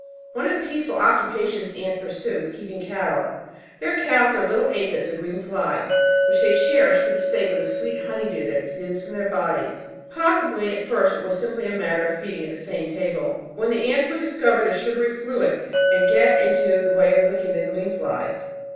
One of the peaceful occupations ants pursue is keeping "cattle." Their "cows" are little aphides or green flies, which they cherish for the sake of the sweet "honey dew" that exudes from their bodies. Possibly at first it was simply a matter of feeding at the same table, when the ants would discover the sugary fluid and get into the way of licking the green flies.